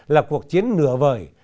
là cuộc chiến nửa vời